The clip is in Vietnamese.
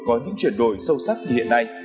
có những chuyển đổi sâu sắc như hiện nay